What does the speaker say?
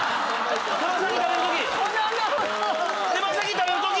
手羽先食べるとき！